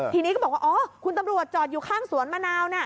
ทีนี้ก็บอกว่าอ๋อคุณตำรวจจอดอยู่ข้างสวนมะนาวน่ะ